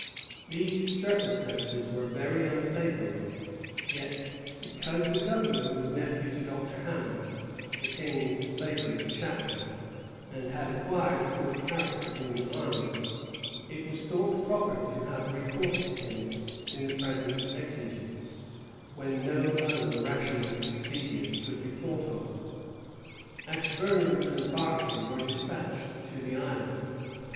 These circumstances were very unfavorable: yet, because the governor was nephew to Dr. Hammond, the king's favorite chaplain, and had acquired a good character in the army, it was thought proper to have recourse to him in the present exigence, when no other rational expedient could be thought of. Ashburnham and Berkeley were despatched to the island.